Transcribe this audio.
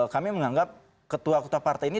kami menganggap ketua ketua partai ini